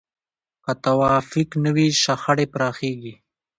که توافق نه وي، شخړې پراخېږي.